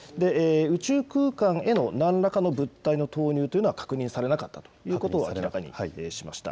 宇宙空間へのなんらかの物体の投入というのは確認されなかったということを明らかにしました。